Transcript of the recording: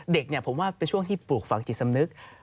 เด็กผมว่าเป็นช่วงที่ปลูกฝังจิตสำนึก